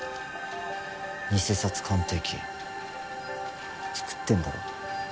偽札鑑定機作ってんだろ？